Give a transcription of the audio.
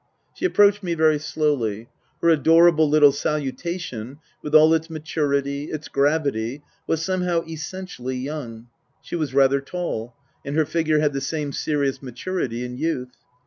She approached me very slowly. Her adorable little salutation, with all its maturity, its gravity, was somehow essentially young. She was rather tall, and her figure had the same serious maturity in youth.